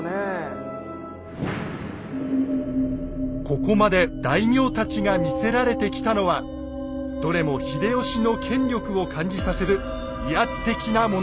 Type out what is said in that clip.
ここまで大名たちが見せられてきたのはどれも秀吉の権力を感じさせる威圧的なものばかり。